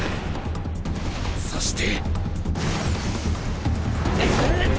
そして